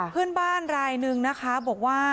เพื่อนบ้านอะไรบังนะครับ